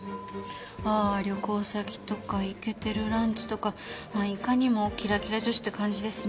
ああ旅行先とかイケてるランチとかいかにもキラキラ女子って感じですね。